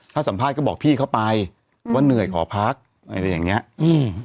ถ้าสัมภาษณ์ก็บอกพี่เขาไปว่าเหนื่อยขอพักอะไรอย่างเงี้ยอืม